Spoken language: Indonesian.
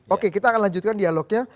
oke kita akan lanjutkan dialognya